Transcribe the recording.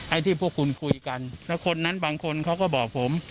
ไอ้ที่พวกคุณคุยกันแล้วคนนั้นบางคนเขาก็บอกผม